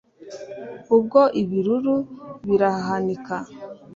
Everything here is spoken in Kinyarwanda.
Ubwo ibiruru birahanika